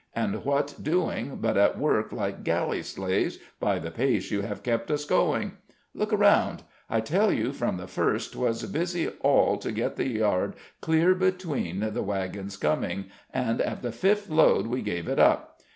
and what doing but at work like galley slaves, by the pace you have kept us going? Look around. I tell you from the first 'twas busy all to get the yard clear between the wagons' coming, and at the fifth load we gave it up.